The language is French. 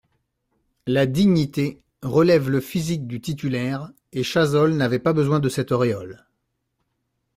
La dignité relève le physique du titulaire et Chazolles n'avait pas besoin de cette auréole.